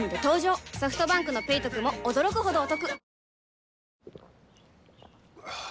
ソフトバンクの「ペイトク」も驚くほどおトク